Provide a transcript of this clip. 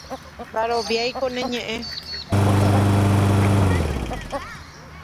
ndaroviáiko ne ñe'ẽ